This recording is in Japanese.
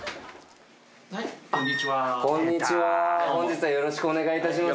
こんにちは本日はよろしくお願いいたします。